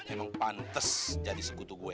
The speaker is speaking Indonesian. emang pantes jadi sekutu gue